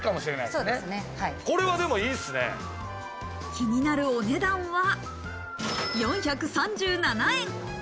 気になるお値段は４３７円。